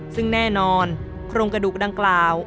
ซึ่งแน่นอนโครงกระดูกดังกล่าว